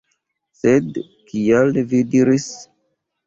Sed kial vi diris?